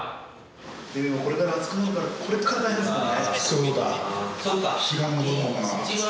これから暑くなるから、これからですかね。